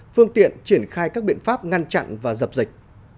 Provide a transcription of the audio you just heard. phương tiện triển khai các biện pháp ngăn chặn và dập dịch